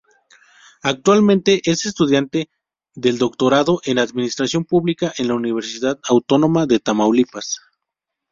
Actualmente es estudiante del doctorado en Administración Pública en la Universidad Autónoma de Tamaulipas.